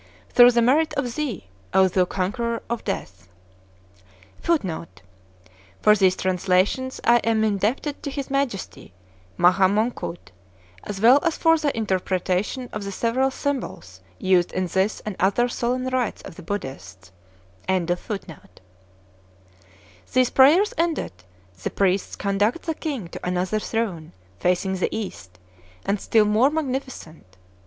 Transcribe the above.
Through the merit of Thee, O thou conqueror of Death! [Footnote: For these translations I am indebted to his Majesty, Maha Mongkut; as well as for the interpretation of the several symbols used in this and other solemn rites of the Buddhists.] These prayers ended, the priests conduct the king to another throne, facing the east, and still more magnificent.